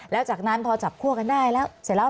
แล้วจากนั้นพอจับคั่วกันได้แล้วเสร็จแล้ว